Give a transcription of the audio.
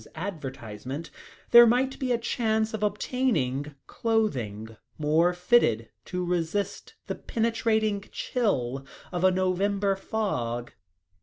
's advertisement, there might be a chance of obtaining clothing more fitted to resist the penetrating chill of a November fog.